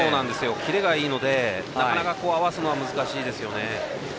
キレがいいので合わすのは難しいですね。